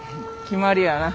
決まりやな。